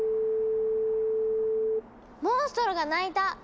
モンストロが鳴いた！